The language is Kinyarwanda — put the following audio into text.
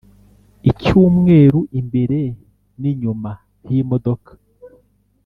icy’umweru imbere n’inyuma h’imodoka